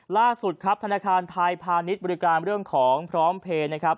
ล่าสุดครับธนาคารไทยพาณิชย์บริการเรื่องของพร้อมเพลย์นะครับ